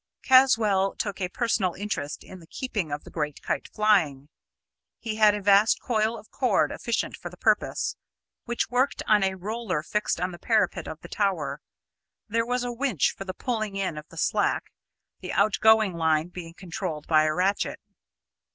Caswall took a personal interest in the keeping of the great kite flying. He had a vast coil of cord efficient for the purpose, which worked on a roller fixed on the parapet of the tower. There was a winch for the pulling in of the slack; the outgoing line being controlled by a racket.